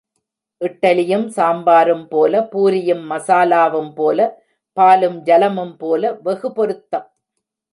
இட்டலியும் சாம்பாரும் போலே, பூரியும் மசாலாவும் போலே, பாலும் ஜலமும் போலே, வெகு பொருத்தம்.